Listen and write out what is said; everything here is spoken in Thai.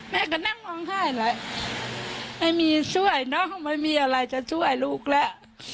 แม่ก็นั่งร้องไห้แล้วไม่มีช่วยน้องไม่มีอะไรจะช่วยลูกแล้ว